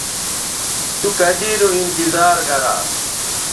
تو کدی نو انتظار گرا